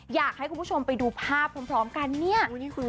อยากให้คุณผู้ชมไปดูภาพพร้อมกันเนี่ย